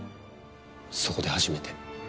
そこで初めて。